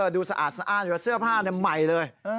ดูสะอาดสะอ้านอยู่แล้วเสื้อผ้าใหม่เลย